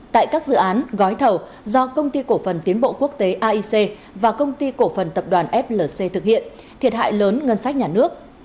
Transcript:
tại các dự án gói thầu do công ty cổ phần tiến bộ quốc tế aic và công ty cổ phần tập đoàn flc thực hiện thiệt hại lớn ngân sách nhà nước